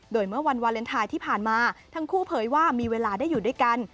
โดยเมื่อวันวาเลนไทยที่ผ่านมาทั้งคู่เผยว่ามีเวลาได้อยู่ด้วยกัน